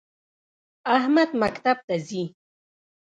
احمد مکتب ته ځی